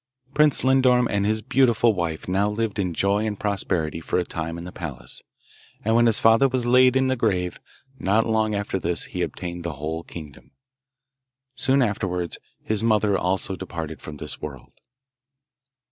Prince Lindorm and his beautiful wife now lived in joy and prosperity for a time in the palace; and when his father was laid in the grave, not long after this, he obtained the whole kingdom. Soon afterwards his mother also departed from this world.